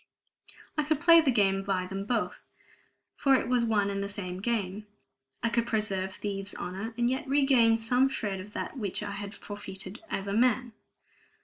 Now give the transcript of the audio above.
I could play the game by them both, for it was one and the same game. I could preserve thieves' honor, and yet regain some shred of that which I had forfeited as a man!